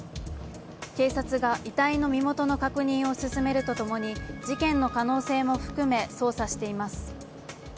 警察が遺体の身元の確認を進めるとともに事件の可能性も含め捜査しています。